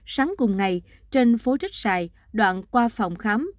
sáng cùng ngày trên phố trích xài đoạn qua phòng khám